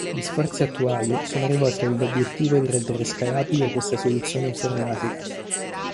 Gli sforzi attuali sono rivolti all'obbiettivo di rendere scalabile questa soluzione informatica.